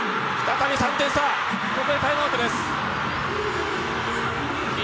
ここで日本、タイムアウトです。